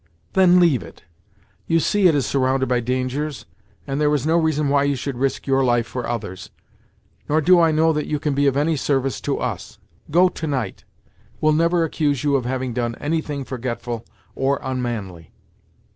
"Then leave it. You see it is surrounded by dangers, and there is no reason why you should risk your life for others. Nor do I know that you can be of any service to us. Go, to night; we'll never accuse you of having done any thing forgetful, or unmanly."